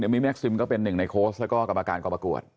มีแม็กซิมก็เป็นหนึ่งในโค้ชแล้วก็กรรมการกองประกวด